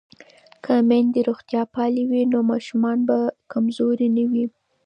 که میندې روغتیا پالې وي نو ماشومان به کمزوري نه وي.